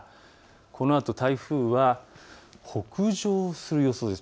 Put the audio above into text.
このあと台風は北上する予想です。